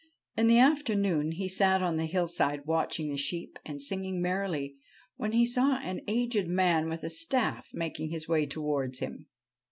In the afternoon he sat on the hillside watching the sheep and singing merrily, when he saw an aged man with a staff making his way towards him.